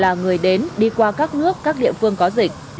là người đến đi qua các nước các địa phương có dịch